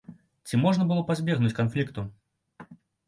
Ці можна было пазбегнуць канфлікту?